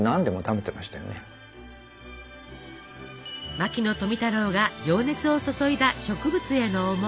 牧野富太郎が情熱を注いだ植物への思い。